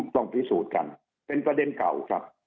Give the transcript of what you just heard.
ต้องพิสูจน์กันเป็นประเด็นเก่าครับ